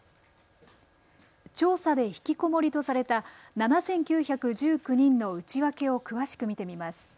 調査でひきこもりとされた７９１９人の内訳を詳しく見てみます。